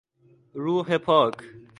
روح پاک